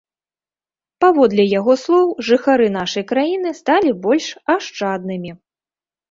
Паводле яго слоў, жыхары нашай краіны сталі больш ашчаднымі.